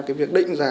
cái việc định giá